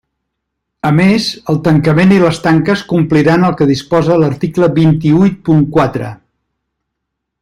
A més el tancament i les tanques compliran el que disposa l'article vint-i-huit punt quatre.